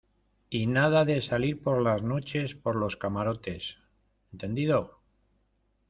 y nada de salir por las noches por los camarotes, ¿ entendido?